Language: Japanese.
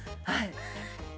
はい。